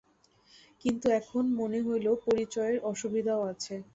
কিন্তু এখন মনে হইল, পরিচয়ের অসুবিধাও আছে।